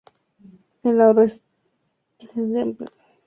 Al noroeste está la gran planicie amurallada del cráter Pavlov.